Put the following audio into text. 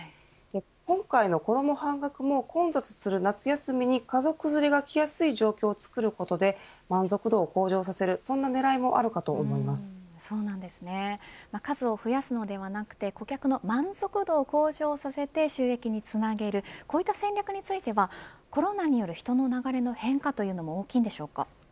今回の子ども半額も混雑する夏休みに家族連れが来やすい状況を作ることで満足度を向上させる、そんな数を増やすのではなく顧客の満足度を向上させて収益につなげるこういった戦略についてはコロナによる人の流れの変化というのも大きいのでしょうか。